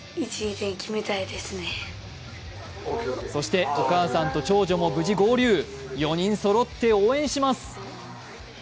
そしてお母さんと長女も無事合流、４人そろって応援します。